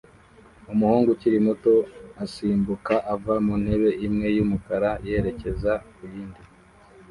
Umuhungu ukiri muto asimbuka ava ku ntebe imwe y'umukara yerekeza ku yindi